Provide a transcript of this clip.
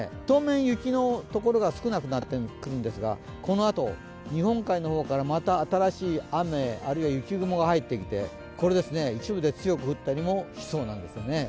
当面雪のところが少なくなってくるんですが、このあと日本海からまた新しい雨、あるいは雪雲が入ってきて、一部で強く降ったりもしそうです。